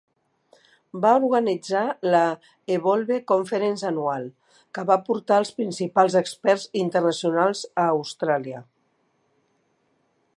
Va organitzar la Evolve Conference anual, que va portar els principals experts internacionals a Austràlia.